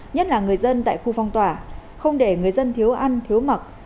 nhất là người dân tại khu phong tỏa không để người dân thiếu ăn thiếu mặc